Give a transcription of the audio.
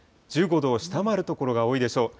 １５度を下回る所が多いでしょう。